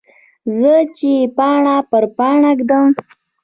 زه چې باڼه پر باڼه ږدم.